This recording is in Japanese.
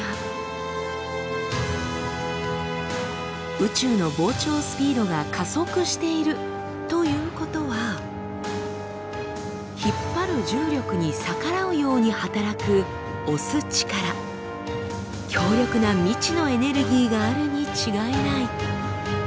宇宙の膨張スピードが加速しているということは引っ張る重力に逆らうように働く押す力強力な未知のエネルギーがあるに違いない。